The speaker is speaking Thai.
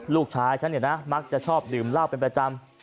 ลูกชายฉันเนี่ยนะมักจะชอบดื่มเหล้าเป็นประจำ